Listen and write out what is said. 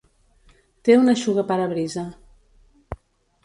Té un eixugaparabrisa.